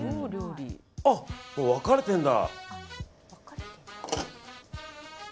あ、もう分かれてるんだ。